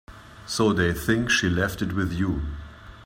So they think she left it with you.